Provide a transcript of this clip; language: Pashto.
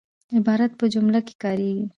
عبارت په جمله کښي کاریږي.